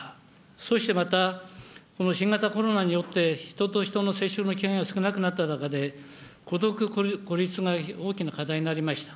そしてまたこの新型コロナによって、人と人の接触の機会が少なくなった中で、孤独、孤立が大きな課題になりました。